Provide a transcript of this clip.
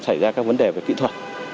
xảy ra các vấn đề về kỹ thuật